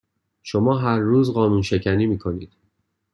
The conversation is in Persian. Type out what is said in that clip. شما هر روز قانونشکنی میکنید